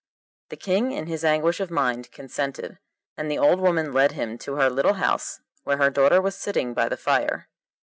The King in his anguish of mind consented, and the old woman led him to her little house where her daughter was sitting by the fire.